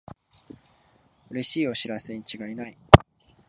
うれしいお知らせにちがいない